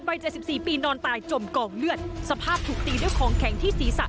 ใบเจ็ดสิบสี่ปีนอนตายจมกล่องเลือดสภาพถูกตีด้วยของแข็งที่ศีรษะ